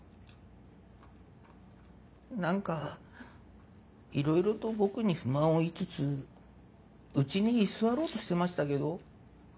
何かいろいろと僕に不満を言いつつうちに居座ろうとしてましたけど。